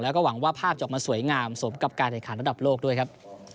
แล้วก็หวังว่าภาพจะออกมาสวยงามสมกับการแข่งขันระดับโลกด้วยครับ